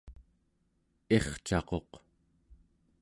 ircaquq